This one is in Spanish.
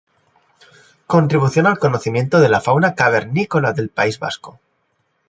Contribución al conocimiento de la fauna cavernícola del País Vasco.